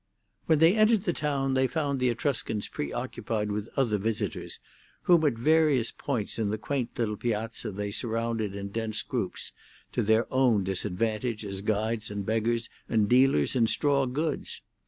When they entered the town they found the Etruscans preoccupied with other visitors, whom at various points in the quaint little piazza they surrounded in dense groups, to their own disadvantage as guides and beggars and dealers in straw goods.